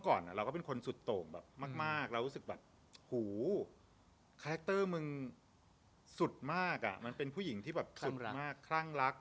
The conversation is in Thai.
คาแรกเตอร์มันสุดมากอะมันเป็นผู้หญิงที่แบบสุดมากคร่ังรัก